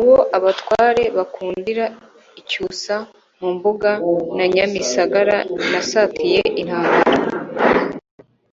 Uwo abatware bakundira icyusaMu Mbuga na Nyamisagara nasatiye intambara.